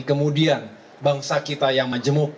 kemudian bangsa kita yang majemuk